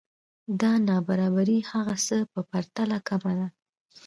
دا نابرابری هغه څه په پرتله کمه ده